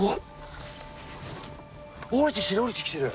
下りてきてる下りてきてる。